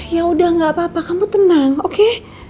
ya udah gak apa apa kamu tenang oke